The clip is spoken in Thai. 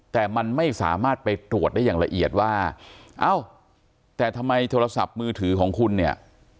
แต่มันไม่สามารถไปตรวจได้อย่างละเอียดว่าเอ้าแต่ทำไมโทรศัพท์มือถือของคุณเนี่ย